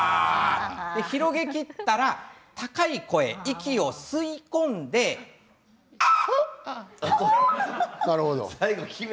広げきったら高い声、息を吸い込んで「ヒィ」。